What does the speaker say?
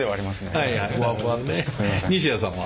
西谷さんは？